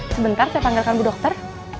sebentar saya panggilkan bu dokter